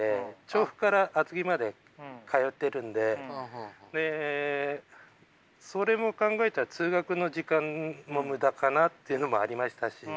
調布から厚木まで通ってるんででそれも考えたら通学の時間もムダかなっていうのもありましたし。